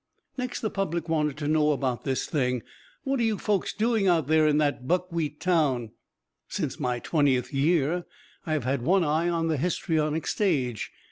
Next the public wanted to know about this thing "What are you folks doing out there in that buckwheat town?" Since my twentieth year I have had one eye on the histrionic stage.